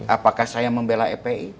apakah saya membela epi